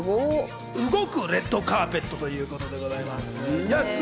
動くレッドカーペットということでございます。